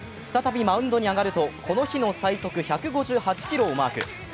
再びマウンドに上がると、この日の最速１５８キロをマーク。